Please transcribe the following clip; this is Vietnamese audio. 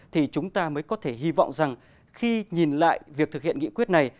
thì chúng ta mới có thể hy vọng rằng khi nhìn lại việc thực hiện nghị quyết này